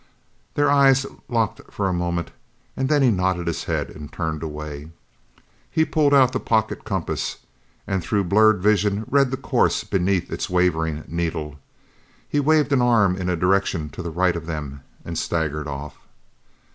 Their eyes locked for a moment and then he nodded his head and turned away. He pulled out the pocket compass and through blurred vision read the course beneath its wavering needle. He waved an arm in a direction to the right of them and staggered off.